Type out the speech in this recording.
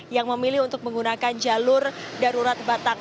yang memilih untuk menggunakan jalur darurat batak